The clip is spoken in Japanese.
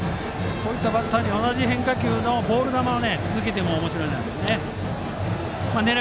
こういったバッターには同じ変化球のボール球を続けてもおもしろいですね。